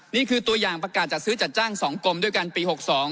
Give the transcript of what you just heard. นี่คือตัวอย่างประกาศจัดซื้อจัดจ้าง๒กรมด้วยกันปี๖๒